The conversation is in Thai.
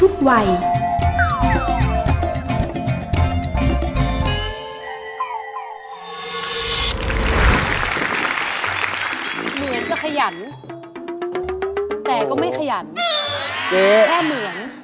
แค่เหมือน